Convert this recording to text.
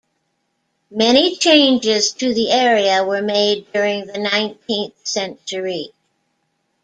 Many changes to the area were made during the nineteenth century.